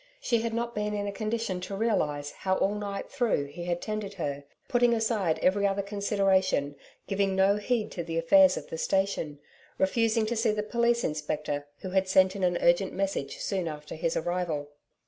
She had not been in a condition to realize how all night through he had tended her, putting aside every other consideration, giving no heed to the affairs of the station, refusing to see the Police Inspector who had sent in an urgent message soon after his arrival.